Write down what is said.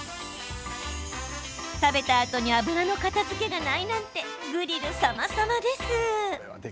食べたあとに油の片づけがないなんてグリルさまさまです。